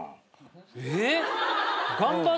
えっ！？